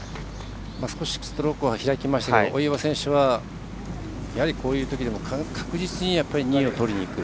少しストロークは開きましたけど大岩選手はこういうときでも確実に２位を取りにいく。